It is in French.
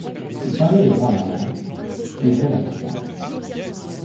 Il tendait les bras à ma mère, qui ouvrait la porte en haut.